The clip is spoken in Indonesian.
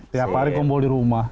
tiap hari kumpul di rumah